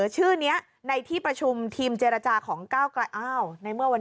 ชื่อนี้ในที่ประชุมทีมเจรจาของก้าวกลายอ้าวในเมื่อวัน